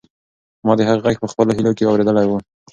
ما د هغې غږ په خپلو هیلو کې اورېدلی و.